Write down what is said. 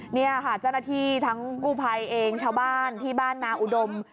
นี่ค่ะเจ้าหน้าที่ทั้งกู้ภัยเองชาวบ้านที่บ้านนาอุดม